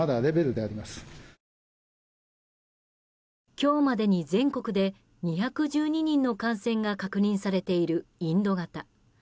今日までに、全国で２１２人の感染が確認されているインド型。